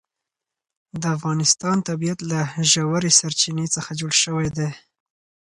د افغانستان طبیعت له ژورې سرچینې څخه جوړ شوی دی.